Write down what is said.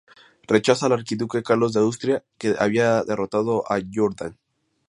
Rechaza al archiduque Carlos de Austria que había derrotado a Jourdan.